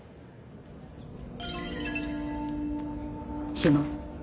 志摩。